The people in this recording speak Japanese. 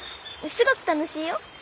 すごく楽しいよ。